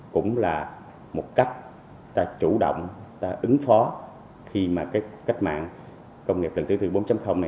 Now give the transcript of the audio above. cũng là một cách ta chủ động ta ứng phó khi mà cách mạng công nghiệp lần thứ bốn này